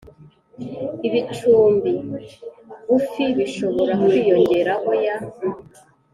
Ibicumbi gufi bishobora kwiyongeraho ya